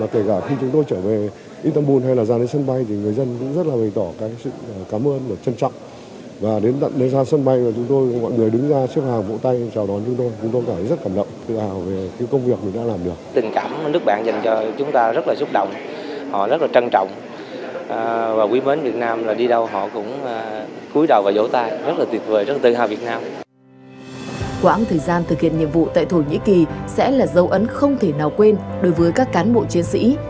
quãng thời gian thực hiện nhiệm vụ tại thổ nhĩ kỳ sẽ là dấu ấn không thể nào quên đối với các cán bộ chiến sĩ